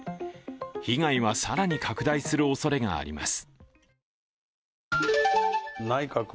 被害は更に拡大するおそれがあります。